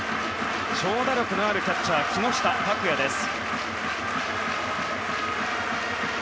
長打力のあるキャッチャー木下拓哉です。